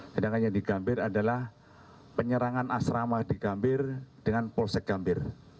sedangkan yang di gambir adalah penyerangan asrama di gambir dengan polsek gambir